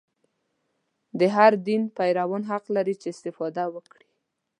د هر دین پیروان حق لري چې استفاده وکړي.